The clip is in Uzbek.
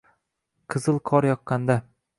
Qizil qor yoqqanda!